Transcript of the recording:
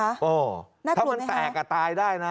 ว้าวถ้ามันแตกตายได้นะ